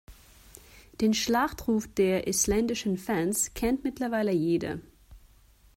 Den Schlachtruf der isländischen Fans kennt mittlerweile jeder.